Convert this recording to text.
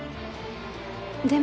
でも。